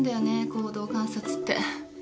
行動観察って。